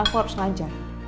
aku harus ngajar